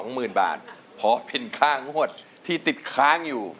หมื่นบาทเพราะเป็นค่างวดที่ติดค้างอยู่